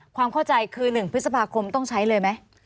ความเข้าใจคือ๑พฤษภาคมต้องใช้เลยไหม